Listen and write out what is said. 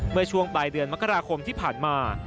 เมื่อช่วงปลายเดือนมกราคมที่ผ่านมา